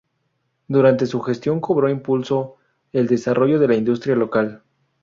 Durante su gestión cobró impulsó el desarrollo de la industria local.